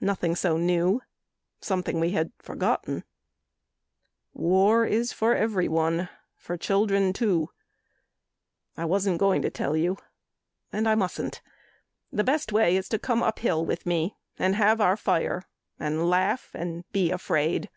Nothing so new something we had forgotten: War is for everyone, for children too. I wasn't going to tell you and I mustn't. The best way is to come up hill with me And have our fire and laugh and be afraid."